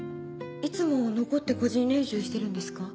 いつも残って個人練習してるんですか？